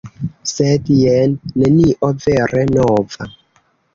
Sed jen nenio vere nova.